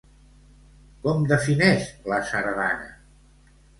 Com defineix la sardana?